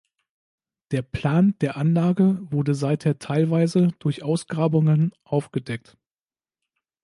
Der Plan der Anlage wurde seither teilweise durch Ausgrabungen aufgedeckt.